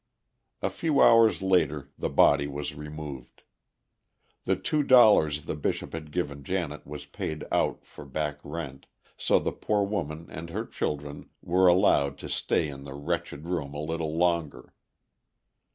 A few hours later the body was removed. The two dollars the Bishop had given Janet was paid out for back rent, so the poor woman and her children were allowed to stay in the wretched room a little longer.